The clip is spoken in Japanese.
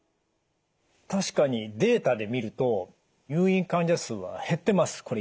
確かにデータで見ると入院患者数は減ってます。